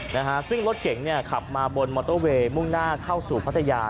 นะฮะซึ่งรถเก่งเนี่ยขับมาบนมอเตอร์เวย์มุ่งหน้าเข้าสู่พัทยา